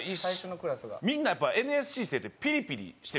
みんなやっぱＮＳＣ生ってピリピリしてるんです。